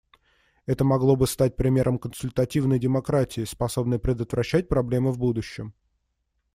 Это могло бы стать примером консультативной демократии, способной предотвращать проблемы в будущем.